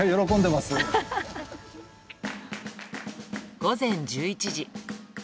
午前１１時。